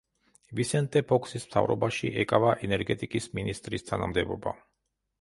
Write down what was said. ვისენტე ფოქსის მთავრობაში ეკავა ენერგეტიკის მინისტრის თანამდებობა.